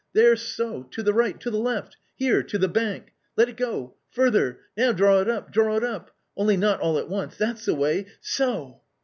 There so, to the right, to the left ; here, to the bank. Let it go ! further ; now draw it up, draw it up, only not all at once ; that's the way — so."